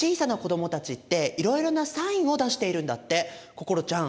心ちゃん